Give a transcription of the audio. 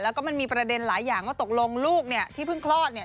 แล้วก็มันมีประเด็นหลายอย่างว่าตกลงลูกเนี่ยที่เพิ่งคลอดเนี่ย